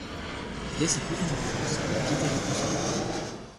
Dès sa plus tendre enfance, la piété rythme sa vie.